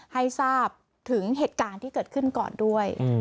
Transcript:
ให้ทราบถึงเหตุการณ์ที่เกิดขึ้นก่อนด้วย